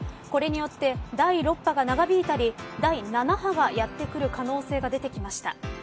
これによって、第６波が長引いたり第７波がやってくる可能性が出てきました。